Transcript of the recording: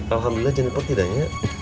alhamdulillah jennifer tidaknya